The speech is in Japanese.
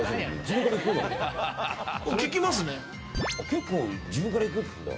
結構自分からいくんだ。